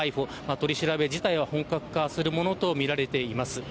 取り調べ自体を本格化するものとみられています。